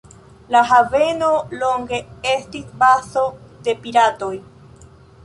La haveno longe estis bazo de piratoj.